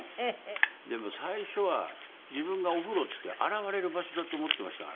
でも最初は自分がお風呂って洗われる場所だと思ってましたからね。